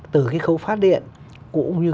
từ cái khấu phát điện cũng như